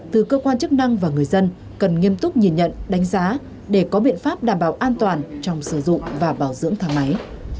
từ cơ quan chức năng và người dân cần nghiêm túc nhìn nhận đánh giá để có biện pháp đảm bảo an toàn trong sử dụng và bảo dưỡng thang máy